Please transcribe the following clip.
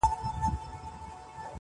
سړي سمدستي کلا ته کړ دننه -